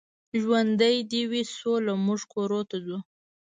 ژوندۍ دې وي سوله، موږ کورونو ته ځو.